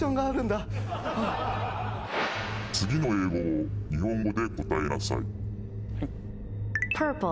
次の英語を日本語で答えなさい。